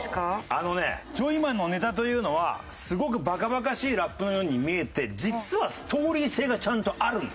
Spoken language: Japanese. あのねジョイマンのネタというのはすごくバカバカしいラップのように見えて実はストーリー性がちゃんとあるんですよ。